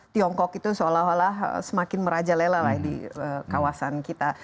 tiongkok itu seolah olah semakin merajalela lah di kawasan kita